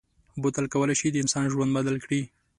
بوتل کولای شي د انسان ژوند بدل کړي.